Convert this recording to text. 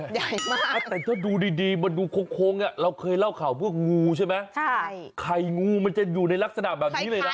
ใช่ค่ะหาแต่ถ้าดูดีมันดูโค้งเราเคยเล่าข่าวว่างูไหมฮะใครงูมันจะอยู่ในลักษณะแบบนี้เลยนะ